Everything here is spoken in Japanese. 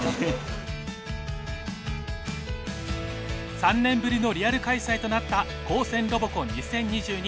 ３年ぶりのリアル開催となった高専ロボコン２０２２